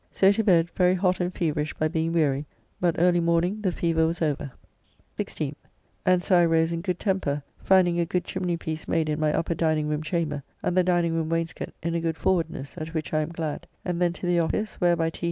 So to bed very hot and feverish by being weary, but early morning the fever was over. 16th. And so I rose in good temper, finding a good chimneypiece made in my upper dining room chamber, and the diningroom wainscoat in a good forwardness, at which I am glad, and then to the office, where by T.